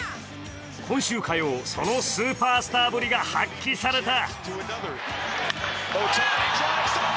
今週火曜、そのスーパースターぶりが発揮された。